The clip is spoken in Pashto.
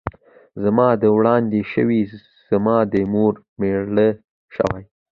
ـ زما دې وړاندې وشوې ، زما دې مور مېړه شوې.